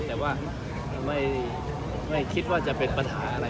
แต่ว่าไม่คิดว่าจะเป็นปัญหาอะไร